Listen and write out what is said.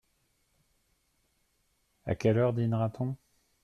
À quelle heure dînera-t-on ?